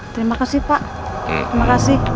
terima kasih pak